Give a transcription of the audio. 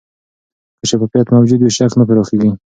که شفافیت موجود وي، شک نه پراخېږي.